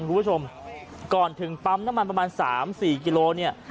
คุณผู้ชมก่อนถึงปั๊มน้ำมันประมาณ๓๔กิโลเนี่ย